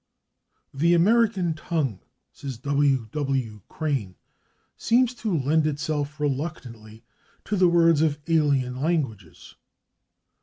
"The American tongue," says W. W. Crane, "seems to lend itself reluctantly to the words of alien languages."